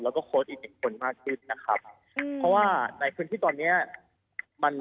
แล้วก็ค้นอีกคนมากสินะครับเพราะว่าในพื้นที่ตอนเนี้ยมัน